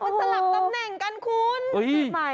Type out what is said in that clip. มันสลับตำแหน่งกันคุณ